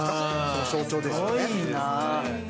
象徴ですよね。